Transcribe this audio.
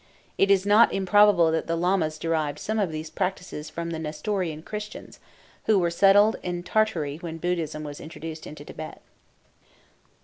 It is not improbable that the Lamas derived some of these practices from the Nestorian Christians, who were settled in Tartary when Buddhism was introduced into Thibet.